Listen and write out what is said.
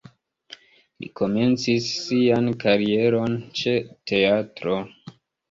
Li komencis sian karieron ĉe teatro.